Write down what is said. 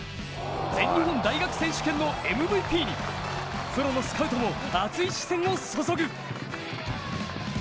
全日本大学選手権のＭＶＰにプロのスカウトも熱い視線を注ぐ。